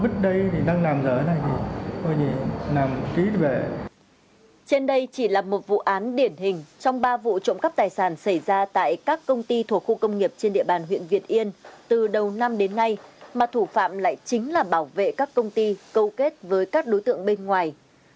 trên đây chỉ là một vụ án điển hình trong ba vụ trộm cắp tài sản xảy ra tại các công ty thuộc khu công nghiệp trên địa bàn huyện việt yên từ đầu năm đến nay mà thủ phạm lại chính là bảo vệ các công ty câu kết với các đối tượng bên ngoài